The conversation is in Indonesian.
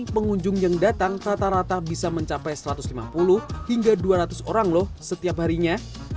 pengunjung yang datang rata rata bisa mencapai satu ratus lima puluh hingga dua ratus orang loh setiap harinya